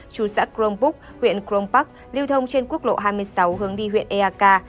chú xã krong búc huyện krong pak lưu thông trên quốc lộ hai mươi sáu hướng đi huyện ea ca